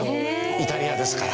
イタリアですから。